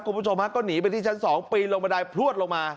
คุณผู้ชมฮะก็หนีไปที่ชั้น๒ปีนลงบันไดพลวดลงมา